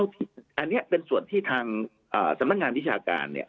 อันนี้เป็นส่วนที่ทางสำนักงานวิชาการ